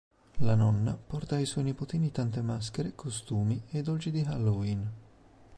La nonna porta ai suoi nipotini tante maschere, costumi e dolci di Halloween.